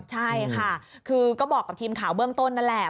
ใช่ค่ะคือก็บอกกับทีมข่าวเบื้องต้นนั่นแหละ